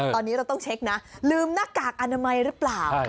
ตอนนี้เราต้องเช็คนะลืมหน้ากากอนามัยหรือเปล่า